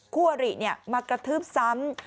คู่วริเนี่ยมากระทืบซ้ำ